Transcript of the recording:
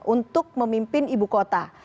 untuk memimpin ibu kota